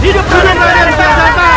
hidup berada di kianjaman